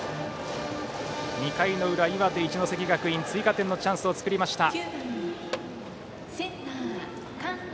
２回の裏、岩手・一関学院追加点のチャンスを作りました。